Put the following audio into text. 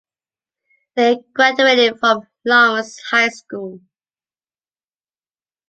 They graduated from Lawrence High School.